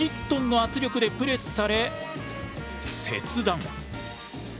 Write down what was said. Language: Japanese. ２０トンの圧力でプレスされ切断。